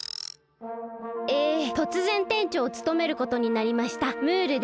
えとつぜん店長をつとめることになりましたムールです。